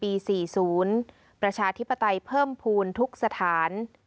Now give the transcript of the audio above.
ปี๔๐ประชาธิปไตยเพิ่มภูมิทุกสถาน